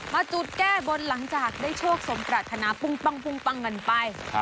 มาจุดแก้บนหลังจากได้โชคสมปรารถนาพุ่งปั้งกันไป